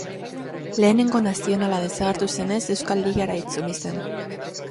Lehenengo Nazionala desagertu zenez Euskal Ligara itzuli zen.